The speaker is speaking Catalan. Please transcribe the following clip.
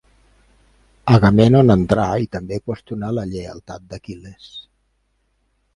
Agamèmnon entra i també qüestiona la lleialtat d’Aquil·les.